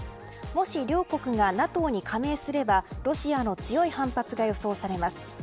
もし両国がＮＡＴＯに加盟すればロシアの強い反発が予想されます。